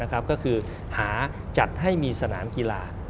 ก็คือหาจัดให้มีสนามกีฬา